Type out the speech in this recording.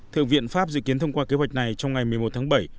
thượng viện pháp dự kiến thông qua kế hoạch này trong ngày một mươi một tháng bảy